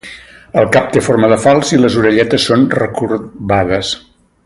El cap té forma de falç i les orelletes són recorbades.